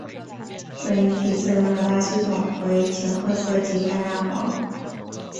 本鱼体色有两大系统为浅褐色及橄榄黄。